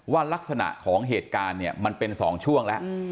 ลักษณะของเหตุการณ์เนี่ยมันเป็น๒ช่วงแล้ว